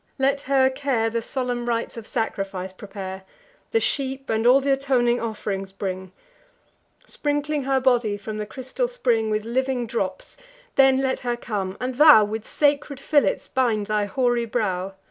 Let her care The solemn rites of sacrifice prepare; The sheep, and all th' atoning off'rings bring, Sprinkling her body from the crystal spring With living drops; then let her come, and thou With sacred fillets bind thy hoary brow.